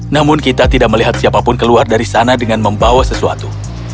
namun kita tidak melihat siapapun keluar dari sana dengan membawa sesuatu